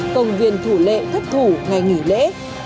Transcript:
công viên thủ lệ thất thủ ngày nghỉ lễ